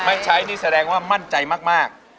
ไม่ใช้นี่แสดงว่ามั่นใจมาก